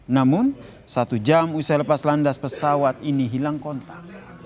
namun satu jam usai lepas landas pesawat ini hilang kontak